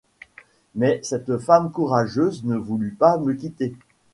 Mais cette femme courageuse ne voulut pas me quitter.